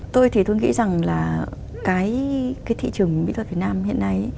tôi thì tôi nghĩ rằng là cái thị trường mỹ thuật việt nam hiện nay